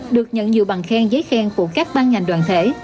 được nhận nhiều bằng khen giấy khen của các ban ngành đoàn thể